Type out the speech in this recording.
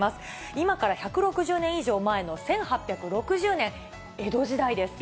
今から１６０年以上前の１８６０年、江戸時代です。